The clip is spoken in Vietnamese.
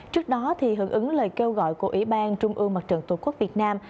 trước đó hưởng ứng lời kêu gọi của ủy ban trung ương mặt trận tổ quốc việt nam